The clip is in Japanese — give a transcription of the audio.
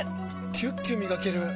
キュッキュ磨ける！